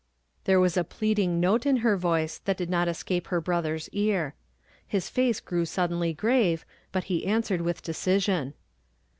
There was a pleading note in her voice that did not escape her brother's ear. His face grew sud denly grave, but he answered with decision.